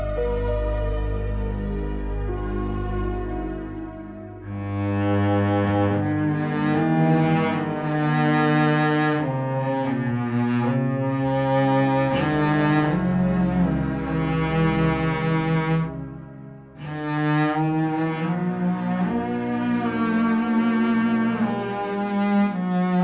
thursday bulan diberuntuk